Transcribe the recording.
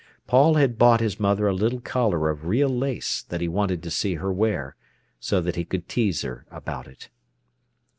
Paul had bought his mother a little collar of real lace that he wanted to see her wear, so that he could tease her about it.